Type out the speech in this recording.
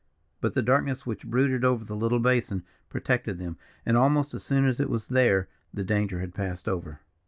But the darkness which brooded over the little basin protected them, and almost as soon as it was there, the danger had passed over.